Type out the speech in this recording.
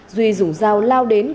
duy dùng dao lao đến